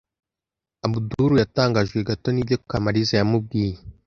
Abudul yatangajwe gato nibyo Kamariza yamubwiye.